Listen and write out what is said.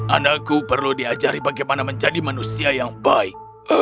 anakku perlu diajari bagaimana menjadi manusia yang baik